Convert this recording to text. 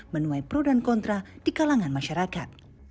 menuai pro dan kontra di kalangan masyarakat